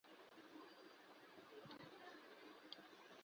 মুসলিমরা সফলভাবে তাদের উপর হামলা চালায়।